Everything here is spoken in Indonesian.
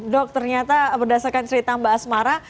dok ternyata berdasarkan cerita mbak asmara